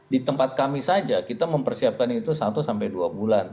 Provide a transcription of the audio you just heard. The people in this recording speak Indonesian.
di tempat kami saja kita mempersiapkan itu satu sampai dua bulan